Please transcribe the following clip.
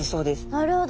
なるほど。